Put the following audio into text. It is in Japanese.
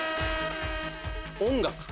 音楽。